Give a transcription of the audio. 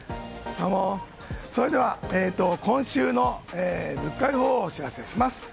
それでは今週の物価予報をお知らせします。